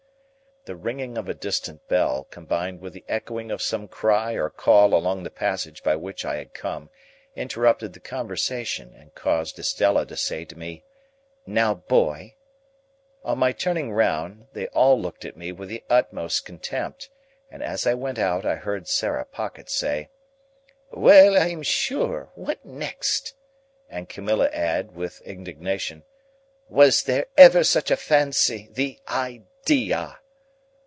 The ringing of a distant bell, combined with the echoing of some cry or call along the passage by which I had come, interrupted the conversation and caused Estella to say to me, "Now, boy!" On my turning round, they all looked at me with the utmost contempt, and, as I went out, I heard Sarah Pocket say, "Well I am sure! What next!" and Camilla add, with indignation, "Was there ever such a fancy! The i d_e_ a!"